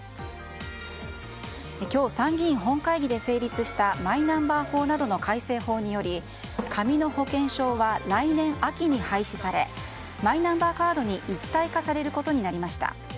今日、参議院本会議で成立したマイナンバー法などの改正法により紙の保険証は来年秋に廃止されマイナンバーカードに一体化されることになりました。